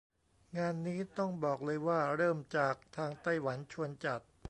งานนี้ต้องบอกเลยว่าเริ่มจากทางไต้หวันชวนจัด